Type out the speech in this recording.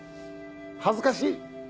恥ずかしい！